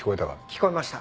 聞こえました。